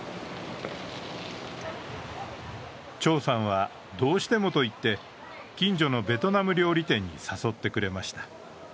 趙さんは、どうしてもと言って近所のベトナム料理店に誘ってくれました。